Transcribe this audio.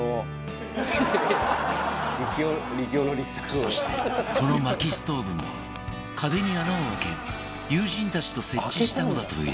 そしてこの薪ストーブも壁に穴を開け友人たちと設置したのだという